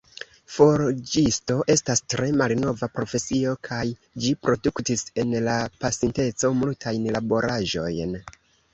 Forĝisto estas tre malnova profesio kaj ĝi produktis, en la pasinteco, multajn laboraĵojn.